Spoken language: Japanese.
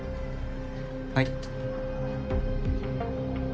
はい